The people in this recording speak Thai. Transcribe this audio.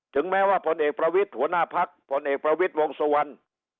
ถึงแม้ว่าผลเอกประวิทธิ์หัวหน้าภักดิ์ผลเอกประวิทธิ์วงศ์สวรรค์